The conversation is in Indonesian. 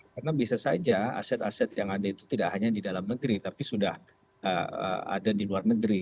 karena bisa saja aset aset yang ada itu tidak hanya di dalam negeri tapi sudah ada di luar negeri